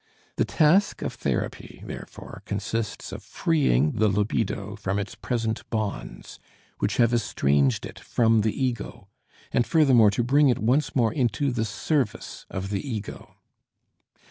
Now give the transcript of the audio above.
The task of therapy, therefore, consists of freeing the libido from its present bonds, which have estranged it from the ego, and furthermore to bring it once more into the service of the ego.